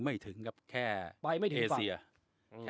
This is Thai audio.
ไม่ถึงครับแค่ไปไม่ถึง